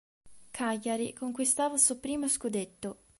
Cagliari, conquistava il suo primo scudetto.